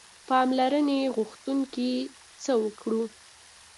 پاملرنې غوښتونکي څه وکړو.